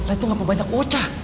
nah itu ngapa banyak ocak